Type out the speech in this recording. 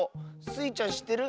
スイちゃんしってる？